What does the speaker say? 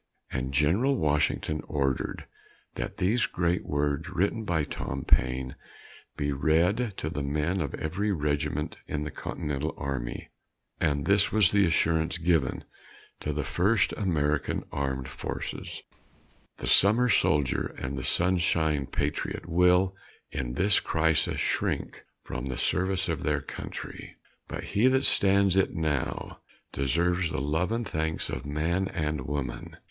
And General Washington ordered that these great words written by Tom Paine be read to the men of every regiment in the Continental Army, and this was the assurance given to the first American armed forces: "The summer soldier and the sunshine patriot will, in this crisis, shrink from the service of their country; but he that stands it now, deserves the love and thanks of man and woman.